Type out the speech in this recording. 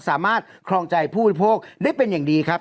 ครองใจผู้บริโภคได้เป็นอย่างดีครับ